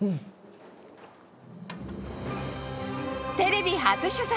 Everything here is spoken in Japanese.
テレビ初取材。